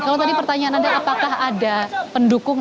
kalau tadi pertanyaan anda apakah ada pendukung